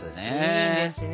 いいですね。